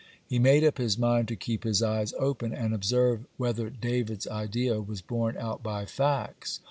He made up his mind to keep his eyes open, and observe whether David's idea was borne out by facts.